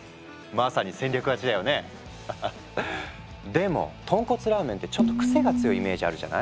でも豚骨ラーメンってちょっと癖が強いイメージあるじゃない？